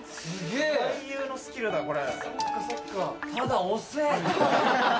俳優のスキルだ、これ。